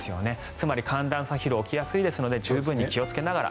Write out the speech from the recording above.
つまり寒暖差疲労が起きやすいので十分に気をつけながら。